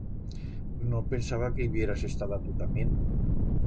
No pensaba que ib'yeras estada tu tamién.